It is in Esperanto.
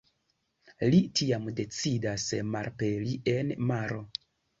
Li tiam decidas malaperi en maro.